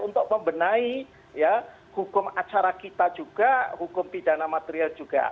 untuk membenahi hukum acara kita juga hukum pidana material juga